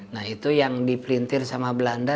nah itu yang dipelintir sama belanda